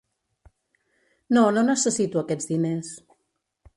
No, no necessito aquests diners.